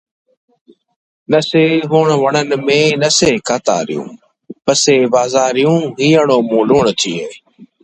Apart from her sports achievements, Kazankina is known for her scientific works.